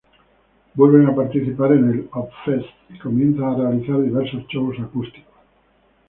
Vuelven a participar en el Ozzfest y comienzan a realizar diversos shows acústicos.